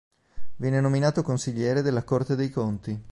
Viene nominato consigliere della Corte dei Conti.